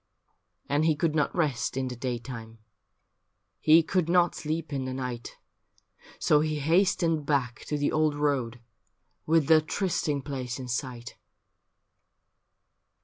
And he could not rest in the daytime He could not sleep in the night, c 34 THE FETCH: A BALLAD So he hastened back to the old road, With the trysting place in sight.